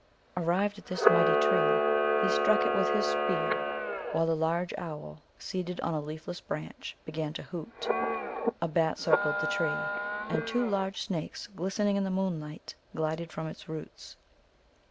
Arrived at this mighty tree, he struck it with his spear, while a large owl, seated on a leafless branch, began to hoot; a bat circled the tree; and two large snakes, glistening in the moonlight, glided from its roots.